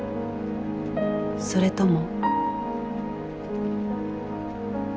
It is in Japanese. それとも。